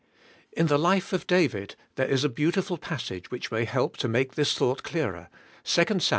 In the life of David there is a beautiful passage which may help to make this thought clearer {2 Sam.